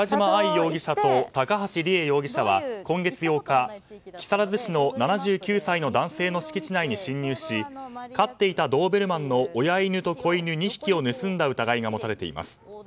容疑者と高橋里衣容疑者は今月８日、木更津市の７９歳の男性の敷地内に侵入し飼っていたドーベルマンの親犬と子犬２匹を盗んだ疑いが持たれています。